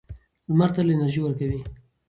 لمر تل انرژي ورکوي.